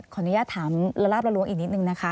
ขออนุญาตถามละลาบละล้วงอีกนิดนึงนะคะ